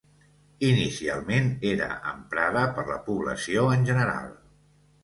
Inicialment, era emprada per la població en general.